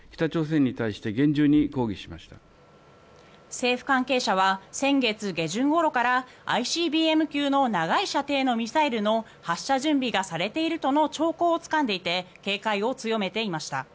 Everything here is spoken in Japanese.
政府関係者は先月下旬ごろからＩＣＢＭ級の長い射程のミサイルの発射準備がされているとの兆候をつかんでいて警戒を強めていました。